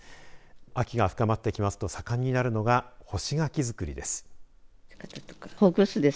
秋が深まってきますと盛んになるのが干し柿作りです。